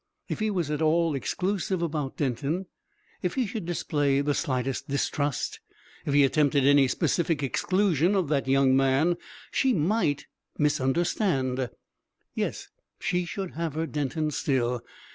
If he was at all exclusive about Denton, if he should display the slightest distrust, if he attempted any specific exclusion of that young man, she might misunderstand. Yes she should have her Denton still.